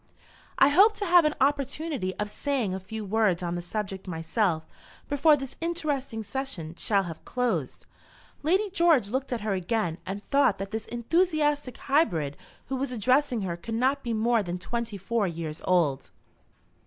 I hope to have an opportunity of saying a few words on the subject myself before this interesting session shall have closed." Lady George looked at her again and thought that this enthusiastic hybrid who was addressing her could not be more than twenty four years old.